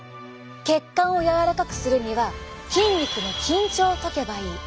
血管を柔らかくするには筋肉の緊張をとけばいい。